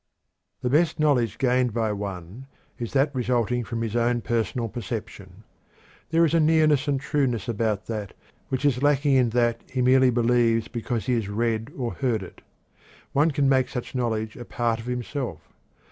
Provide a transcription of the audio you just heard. The best knowledge gained by one is that resulting from his own personal perception. There is a nearness and trueness about that which one knows in this way which is lacking in that which he merely believes because he has read or heard it. One can make such knowledge a part of himself.